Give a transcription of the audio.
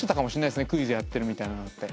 クイズやってるみたいなのって。